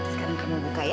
sekarang kamu buka ya